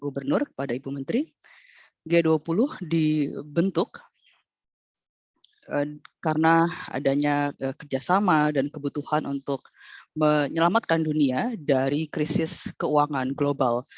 gubernur kepada ibu menteri g dua puluh dibentuk karena adanya kerjasama dan kebutuhan untuk menyelamatkan dunia dari krisis keuangan global